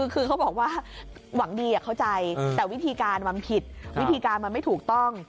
คือเขาบอกว่าหวังดีเข้าใจแต่วิธีการมันผิดวิธีการมันไม่ถูกต้อง